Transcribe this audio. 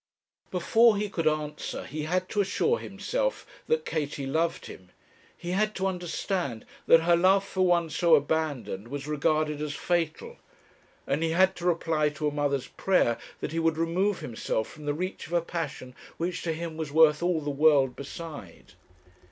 Before he could answer her he had to assure himself that Katie loved him; he had to understand that her love for one so abandoned was regarded as fatal; and he had to reply to a mother's prayer that he would remove himself from the reach of a passion which to him was worth all the world beside.